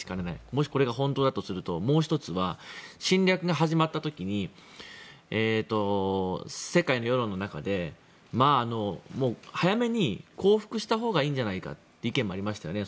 もし、これが本当だとするともう１つは侵略が始まった時に世界の世論の中で早めに降伏したほうがいいんじゃないかという意見もありましたよね。